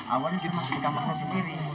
awalnya saya masuk di kamar saya sendiri